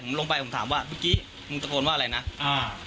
ผมลงไปผมถามว่าเมื่อกี้มึงตะโกนว่าอะไรนะอ่า